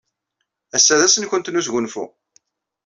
Ass-a d ass-nwent n wesgunfu.